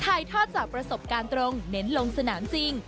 ถ่ายทอดจากประสบการณ์ตรงเน้นลงสนามจริง